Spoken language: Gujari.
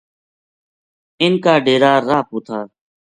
اِنھ کا ڈیرا راہ پو تھا